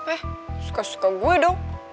eh suka suka gue dong